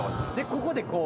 ここでこう。